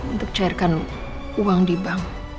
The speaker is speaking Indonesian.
untuk cairkan uang di bank